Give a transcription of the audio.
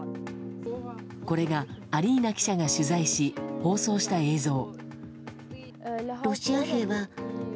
これが、アリーナ記者が取材し放送した映像。